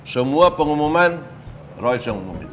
semua pengumuman royz yang ngumumin